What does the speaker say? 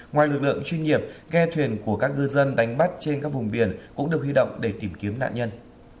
ngoài lực lượng chuyên nghiệp ghe thuyền của các ngư dân đánh bắt trên các vùng biển cũng được huy động để tìm kiếm nạn nhân